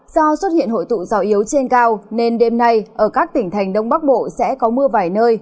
do xuất hiện hội tụ gió yếu trên cao nên đêm nay ở các tỉnh thành đông bắc bộ sẽ có mưa vài nơi